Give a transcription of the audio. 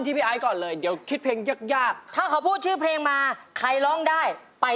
ให้ลอยลงสู่ทะเลให้หายไป